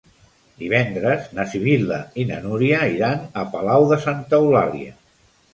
Divendres na Sibil·la i na Núria iran a Palau de Santa Eulàlia.